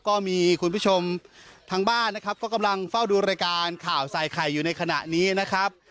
ก็มีคุณผู้ชมทางบ้านนะครับก็กำลังเฝ้าดูรายการข่าวใส่ไข่อยู่ในขณะนี้นะครับ